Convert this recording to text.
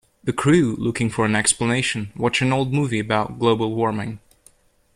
The crew, looking for an explanation, watch an old movie about global warming.